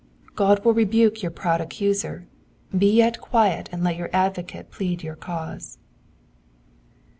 53 God will rebuke your proud accuser ; be ye quiet and let your advocate plead your cause.